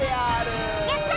やった！